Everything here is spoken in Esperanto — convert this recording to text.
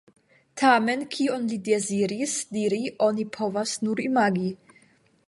Tamen kion li deziris diri, oni povas nur imagi.